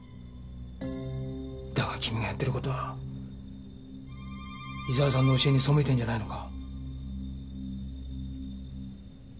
だが君がやってる事は伊沢さんの教えに背いてるんじゃないのか？